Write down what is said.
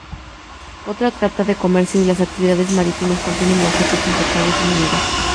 Otra trata el comercio y las actividades marítimas y contiene objetos importados y monedas.